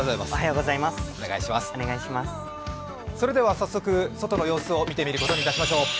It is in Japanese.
早速、外の様子を見てみることにいたしましょう。